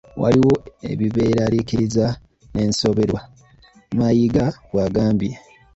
"Waliyo ebibeeraliikiriza n'ensoberwa," Mayiga bwagambye.